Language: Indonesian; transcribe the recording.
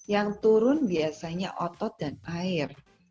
yang turun biasanya otot dan air